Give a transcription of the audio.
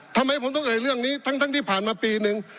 ทำไมผมต้องเอ่ยเรื่องนี้ทั้งที่ผ่านมาปีนึง